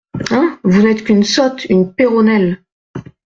Hein ?… vous n’êtes qu’une sotte, une péronnelle !